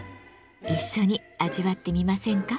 一緒に味わってみませんか？